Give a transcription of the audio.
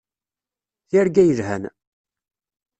Tirga yelhan.